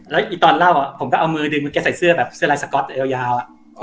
แล้วตอนเล่าผมก็เอามือดึงแกใส่เสื้อแบบเสื้อลายสก๊อตยาว